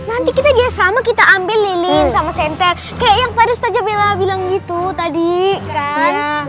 nanti kita dia sama kita ambil lilin sama senter kayak pada stajabella bilang gitu tadi kan